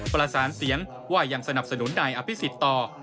ประสานเสียงว่ายังสนับสนุนนายอภิษฎต่อ